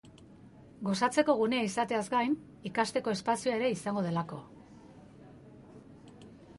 gozatzeko gunea izateaz gain, ikasteko espazioa ere izango delako